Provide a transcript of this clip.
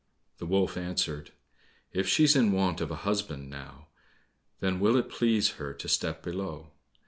The wolf answered, "If she's in want of a husband now, Then will it please her to step below?"